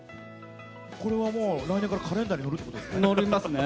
これはもう来年からカレンダーに載るということですね。